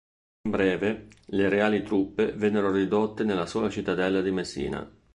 In breve, le ‘Reali Truppe' vennero ridotte nella sola cittadella di Messina.